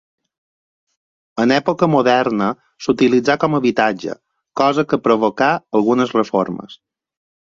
En època moderna s'utilitzà com habitatge, cosa que provocà algunes reformes.